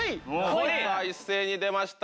一斉に出ました